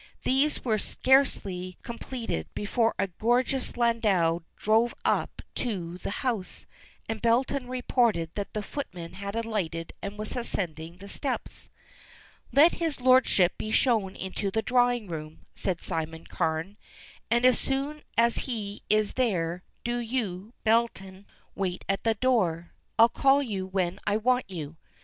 These were scarcely completed before a gorgeous landau drove up to the house, and Belton reported that the footman had alighted and was ascending the steps. "Let his lordship be shown into the drawing room," said Simon Carne, "and as soon as he is there do you, Belton, wait at the door. I'll call you when I want you."